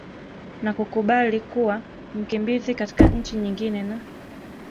na kukubali kuwa mkimbizi katika nchi nyingine na